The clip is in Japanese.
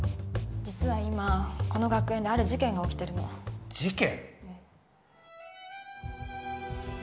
実は今、この学園である事件が起きてるの。事件？